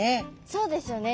そうですよね。